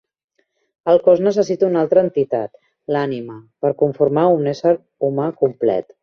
El cos necessita una altra entitat, l'ànima, per conformar un ésser humà complet.